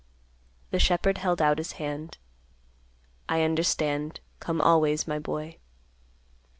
The shepherd held out his hand, "I understand. Come always, my boy."